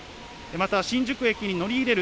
また新宿駅に乗り入れる